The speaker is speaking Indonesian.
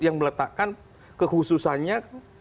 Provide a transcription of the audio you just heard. yang meletakkan kehususannya